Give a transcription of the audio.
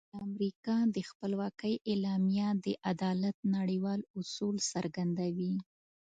د امریکا د خپلواکۍ اعلامیه د عدالت نړیوال اصول څرګندوي.